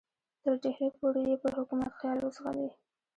تر ډهلي پورې یې پر حکومت خیال وځغلي.